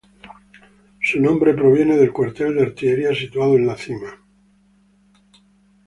Su nombre proviene del Cuartel de Artillería situado en la cima.